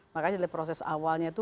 makanya dari proses awalnya itu